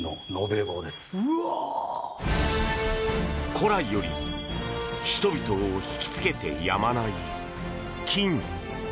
古来より人々を引きつけてやまない金。